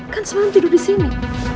kan semalam tidur disini